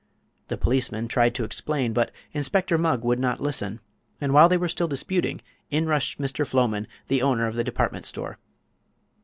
The policemen tried to explain, but Inspector Mugg would not listen; and while they were still disputing in rushed Mr. Floman, the owner of the department store.